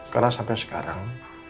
karena sampai sekarang